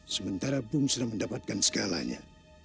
sementara bung sudah mendapatkan segalanya